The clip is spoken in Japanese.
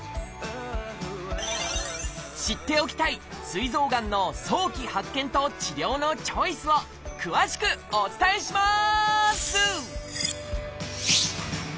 すい臓がんの早期発見と治療のチョイスを詳しくお伝えします！